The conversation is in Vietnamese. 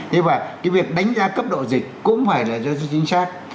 thế và cái việc đánh giá cấp độ dịch cũng phải là cho chính xác